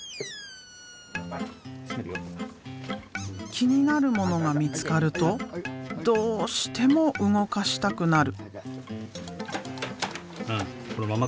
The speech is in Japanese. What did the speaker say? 気になるものが見つかるとどうしても動かしたくなる。